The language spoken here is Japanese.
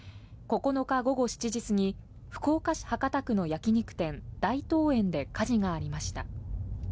９日午後７時過ぎ、福岡市博多区の焼き肉店、大東園で火事がありました。